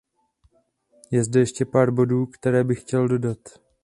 Je zde ještě pár bodů, které bych chtěl dodat.